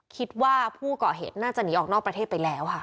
ผู้ก่อเหตุน่าจะหนีออกนอกประเทศไปแล้วค่ะ